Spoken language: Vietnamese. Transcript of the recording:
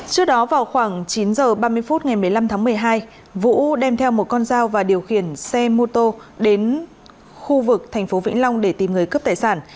trước đó vào khoảng chín h ba mươi phút ngày một mươi năm tháng một mươi hai vũ đem theo một con dao và điều khiển xe mô tô đến khu vực thành phố vĩnh long để tìm người cướp tài sản